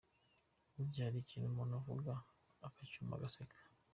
Burya hari ikintu umuntu avuga, ukacyumva ugaseka.